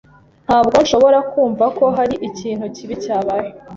Ntabwo nshobora kumva ko hari ikintu kibi cyabaye.